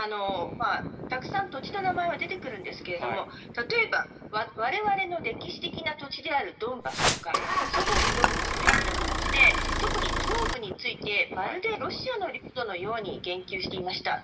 たくさん土地の名前は出てくるんですけれども、例えば、われわれの歴史的な土地であるドンバスとか、祖国ドンバスといった形で、特に東部について、まるでロシアの領土のように言及していました。